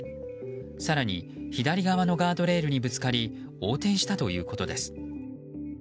更に左側のガードレールにぶつかり横転したということです。